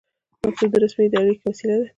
مکتوب د رسمي اړیکې وسیله ده